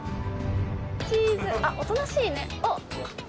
チーズあっおとなしいね。